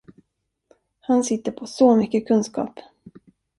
Han sitter på så mycket kunskap.